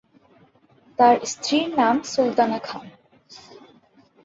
তার স্ত্রীর নাম সুলতানা খান।